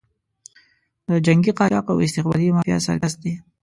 د جنګي قاچاقي او استخباراتي مافیا سرکس دی.